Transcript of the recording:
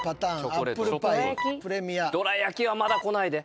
どらやきはまだこないで。